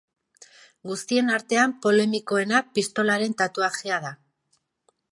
Guztien artean polemikoena pistolaren tatuajea da.